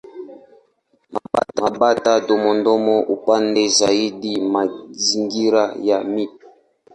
Mabata-domomeno hupenda zaidi mazingira ya mito.